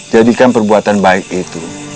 jadikan perbuatan baik itu